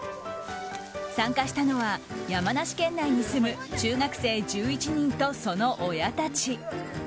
参加したのは山梨県内に住む中学生１１人と、その親たち。